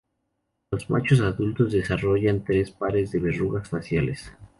Los machos adultos desarrollan tres pares de verrugas faciales.